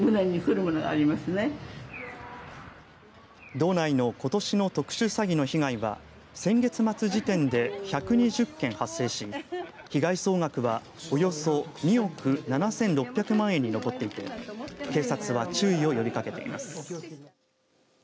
道内のことしの特殊詐欺の被害は先月末時点で１２０件発生し被害総額はおよそ２億７６００万円に上っていて警察は注意を呼びかけています。